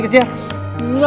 karir orang orang tua